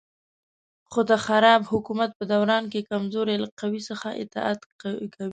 خو د خراب حکومت په دوران کې کمزوري له قوي څخه اطاعت کوي.